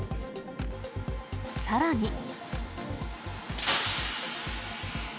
さらに。